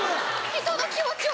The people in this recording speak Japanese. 人の気持ちを。